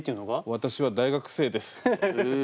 「私は大学生です」。